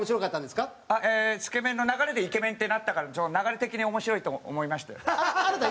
「つけ麺」の流れで「イケメン」ってなったから流れ的に面白いと思いましたよ。